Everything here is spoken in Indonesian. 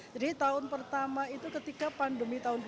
jadi tahun pertama itu ketika pandemi tahun dua ribu dua puluh satu